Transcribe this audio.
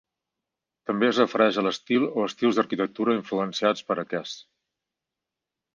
També es refereix a l'estil o estils d'arquitectura influenciats per aquests.